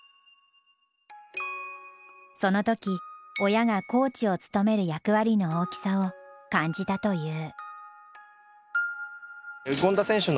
その時親がコーチを務める役割の大きさを感じたという。